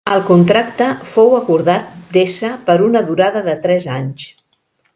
El contracte fou acordat d'ésser per una durada de tres anys.